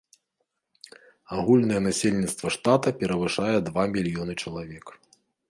Агульнае насельніцтва штата перавышае два мільёны чалавек.